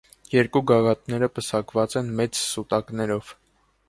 Երկու գագաթները պսակված են մեծ սուտակներով։